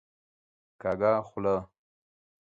کږه خوله